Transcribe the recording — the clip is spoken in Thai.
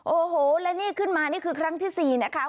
โอ้โหและนี่ขึ้นมานี่คือครั้งที่๔นะคะ